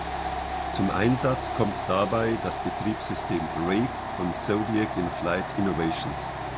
Zum Einsatz kommt dabei das Betriebssystem „Rave“ von Zodiac Inflight Innovations.